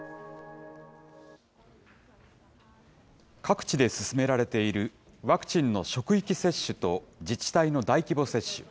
各地で進められているワクチンの職域接種と、自治体の大規模接種。